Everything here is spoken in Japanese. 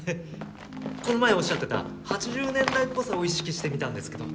この前おっしゃってた８０年代っぽさを意識してみたんですけど。